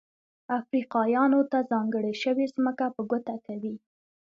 افریقایانو ته ځانګړې شوې ځمکه په ګوته کوي.